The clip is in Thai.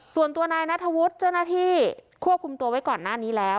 ส่วนตัวนายนัทธวุฒิเจ้าหน้าที่ควบคุมตัวไว้ก่อนหน้านี้แล้ว